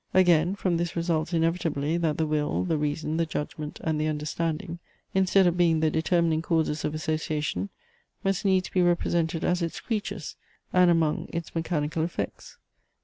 Again, from this results inevitably, that the will, the reason, the judgment, and the understanding, instead of being the determining causes of association, must needs be represented as its creatures, and among its mechanical effects.